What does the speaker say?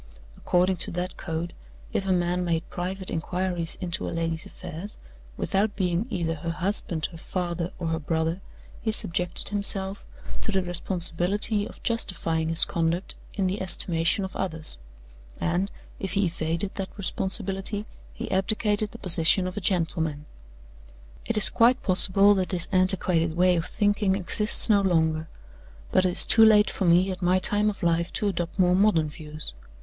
According to that code, if a man made private inquiries into a lady's affairs, without being either her husband, her father, or her brother, he subjected himself to the responsibility of justifying his conduct in the estimation of others; and, if he evaded that responsibility, he abdicated the position of a gentleman. It is quite possible that this antiquated way of thinking exists no longer; but it is too late for me, at my time of life, to adopt more modern views.